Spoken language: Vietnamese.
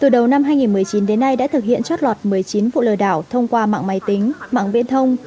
từ đầu năm hai nghìn một mươi chín đến nay đã thực hiện trót lọt một mươi chín vụ lừa đảo thông qua mạng máy tính mạng viễn thông